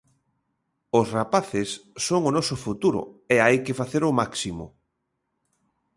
Os rapaces son o noso futuro e hai que facer o máximo.